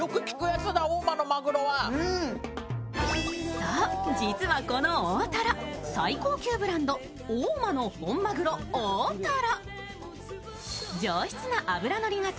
そう、実はこの大トロ最高級ブランド大間の本マグロ大トロ。